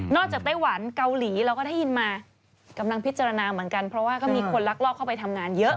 ไต้หวันเกาหลีเราก็ได้ยินมากำลังพิจารณาเหมือนกันเพราะว่าก็มีคนลักลอบเข้าไปทำงานเยอะ